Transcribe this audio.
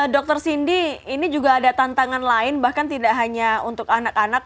dr cindy ini juga ada tantangan lain bahkan tidak hanya untuk anak anak